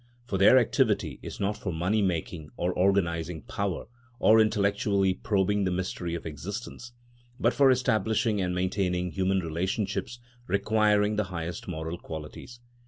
For their activity is not for money making, or organising power, or intellectually probing the mystery of existence, but for establishing and maintaining human relationships requiring the highest moral qualities.